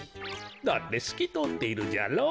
だってすきとおっているじゃろう？